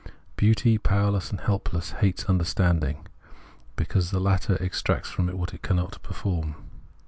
Beauty, powerless and helpless, hates understanding, because the latter exacts from it what it cannot perform.